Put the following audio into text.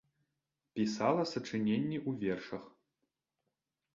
Пісала сачыненні ў вершах.